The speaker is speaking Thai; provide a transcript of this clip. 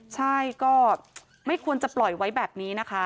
ใช่ก็ไม่ควรจะปล่อยไว้แบบนี้นะคะ